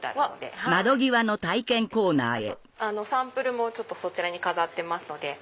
あとサンプルもそちらに飾ってますので。